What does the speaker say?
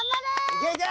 いけいけ！